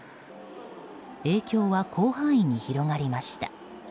影響は広範囲に広がりました。